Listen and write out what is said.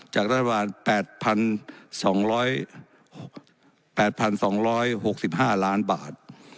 จากรัฐบาลแปดพันสองร้อยแปดพันสองร้อยหกสิบห้าล้านบาท